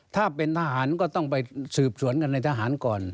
ถ้าเป็นทหารก็ต้องไปสืบสวนกันในทหารก่อน